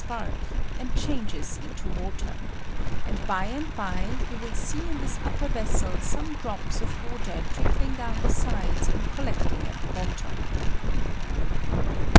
105 spark, and changes into water; and by and by yoa will see in thia upper vessel some drops of water trickling down the sidea and collecting at the bottom.